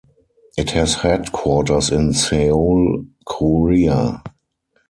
It has headquarters in Seoul, Korea.